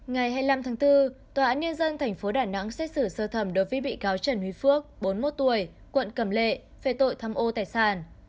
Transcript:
ngày hai mươi năm tháng bốn tòa án nhân dân tp đà nẵng xét xử sơ thẩm đối với bị cáo trần huy phước bốn mươi một tuổi quận cầm lệ về tội tham ô tài sản